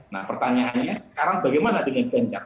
nah pertanyaannya sekarang bagaimana dengan ganjar